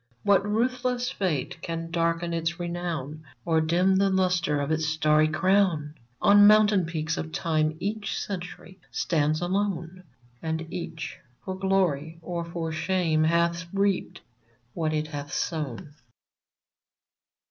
What ruthless fate can darken its renown, Or dim the lustre of its starry crown ? On mountain peaks of Time each Century stands alone ; And each, for glory or for shame, hath reaped what it hath sown